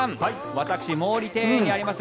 私、毛利庭園にあります